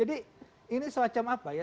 ini semacam apa ya